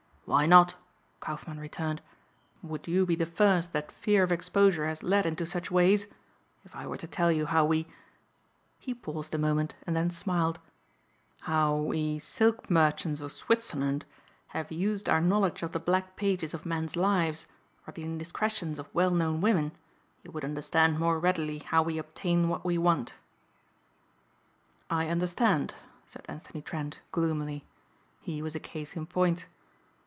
"Why not?" Kaufmann returned. "Would you be the first that fear of exposure has led into such ways? If I were to tell you how we " he paused a moment and then smiled "how we silk merchants of Switzerland have used our knowledge of the black pages of men's lives or the indiscretions of well known women, you would understand more readily how we obtain what we want." "I understand," said Anthony Trent gloomily. He was a case in point.